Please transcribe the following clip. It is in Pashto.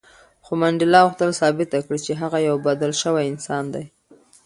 خو منډېلا غوښتل ثابته کړي چې هغه یو بدل شوی انسان دی.